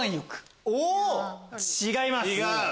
違います。